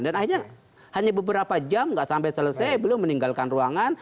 dan akhirnya hanya beberapa jam tidak sampai selesai beliau meninggalkan ruangan